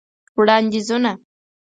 وړاندیزونه :